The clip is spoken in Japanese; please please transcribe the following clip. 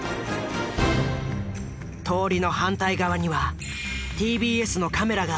通りの反対側にはＴＢＳのカメラがある。